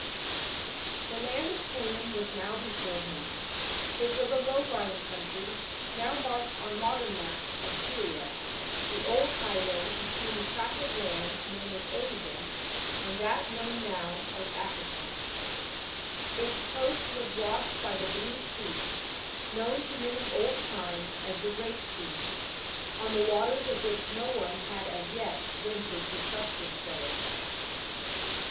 THE land of Canaan was now before him. It was a low lying country, now marked on modern maps ap Syria, the ' old highway between the tract of B.C. 1920.] THROUGH THE LAND OF CANAAN. 5 land known as Asia and that known now as Africa. Its coast was washed by the blue sea, known to men of old time as the Great Sea, 1 on the waters of which no one had as yet ventured to trust themselves.